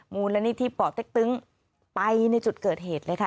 มูลนิธิป่อเต็กตึ้งไปในจุดเกิดเหตุเลยค่ะ